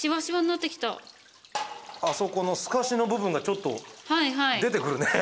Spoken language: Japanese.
あそこのすかしの部分がちょっと出てくるね。